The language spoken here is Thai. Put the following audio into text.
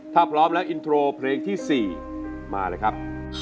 ถ้าพร้อมแล้วอินโทรเพลงที่๔มาเลยครับ